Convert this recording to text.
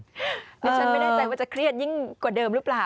ดิฉันไม่แน่ใจว่าจะเครียดยิ่งกว่าเดิมหรือเปล่า